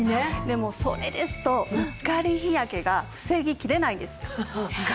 でもそれですとうっかり日焼けが防ぎきれないんです。